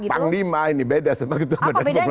panglima ini beda sama ketua badan panglima